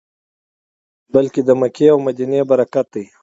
بلکې د مکې او مدینې برکت دی.